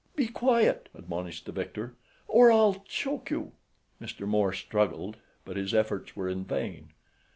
"Be quiet," admonished the victor, "or I'll choke you." Mr. Moore struggled; but his efforts were in vain.